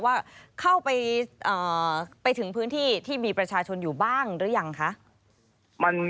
ว่าเข้าไปถึงพื้นที่ที่มีประชาชนอยู่บ้างหรือยังคะ